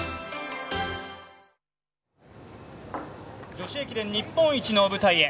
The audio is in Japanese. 女子駅伝日本一の舞台へ。